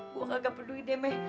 gue kagak peduli deh meh